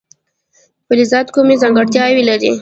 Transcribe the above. فلزات کومې ځانګړتیاوې لري.